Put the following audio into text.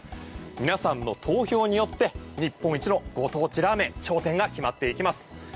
皆さんの投票によって日本一のご当地ラーメン頂点が決まっていきます。